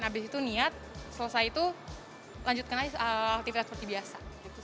habis itu niat selesai itu lanjutkan aja aktivitas seperti biasa